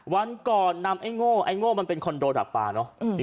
วันก่อนนำไอ้โง่ไอ้โง่มันเป็นคอนโดดับปลาเนอะ